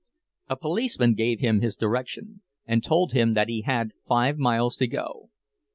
A policeman gave him his direction and told him that he had five miles to go.